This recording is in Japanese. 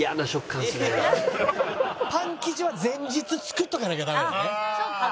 パン生地は前日作っとかなきゃダメだね。